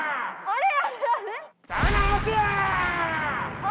あれ？